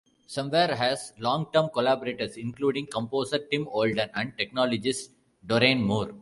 Somewhere has long-term collaborators including composer Tim Olden and technologist Dorian Moore.